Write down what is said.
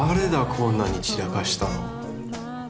こんなに散らかしたの。